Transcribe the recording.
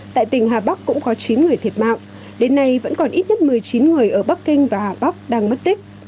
tại tỉnh hà bắc cũng có chín người thiệt mạng đến nay vẫn còn ít nhất một mươi chín người ở bắc kinh và hà bắc đang mất tích